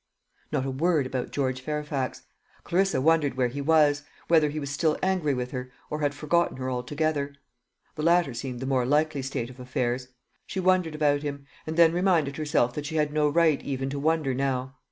Not a word about George Fairfax. Clarissa wondered where he was; whether he was still angry with her, or had forgotten her altogether. The latter seemed the more likely state of affairs. She wondered about him and then reminded herself that she had no right even to wonder now.